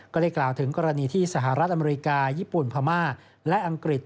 ก็ได้กล่าวถึงกรณีที่สหรัฐอเมริกาญี่ปุ่นพม่าและอังกฤษ